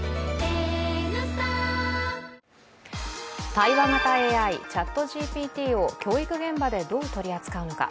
対話型ＡＩ、ＣｈａｔＧＰＴを教育現場でどう取り扱うのか。